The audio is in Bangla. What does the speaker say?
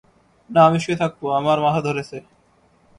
না, আমি শুয়ে থাকব, আমার মাথা ধরেছে।